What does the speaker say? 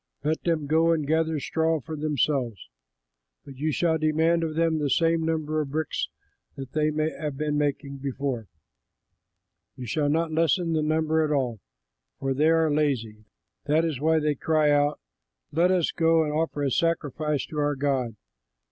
Let them go and gather straw for themselves. But you shall demand of them the same number of bricks that they have been making before; you shall not lessen the number at all, for they are lazy; that is why they cry out, 'Let us go and offer a sacrifice to our God.'